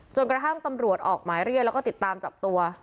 จนกระทั่งตำรวจออกหมายเรียกแล้วก็ติดตามจับตัว